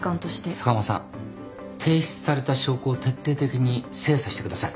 坂間さん提出された証拠を徹底的に精査してください。